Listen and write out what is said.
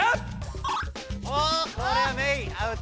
おこれはメイアウト！